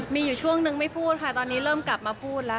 มีอยู่ช่วงนึงไม่พูดค่ะตอนนี้เริ่มกลับมาพูดแล้ว